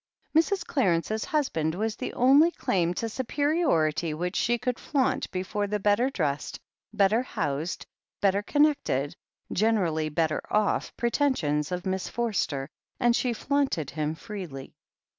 Mrs. Clarence's husband was the only claim to su periority which she could flaunt before the better dressed, better housed, better connected, generally bet ter off pretensions of Miss Forster and she flaunted him freely.